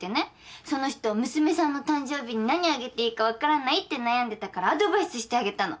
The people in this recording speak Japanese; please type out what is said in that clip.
その人娘さんの誕生日に何あげていいか分からないって悩んでたからアドバイスしてあげたの。